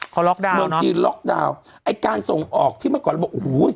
เขาล็อกดาวน์เมืองจีนล็อกดาวน์ไอ้การส่งออกที่เมื่อก่อนเราบอกโอ้โห